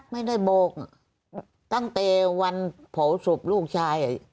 ไม่ได้บอกตั้งแต่วันเผาศพลูกชาย